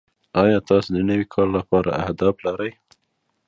ایا تاسو د نوي کال لپاره اهداف لرئ؟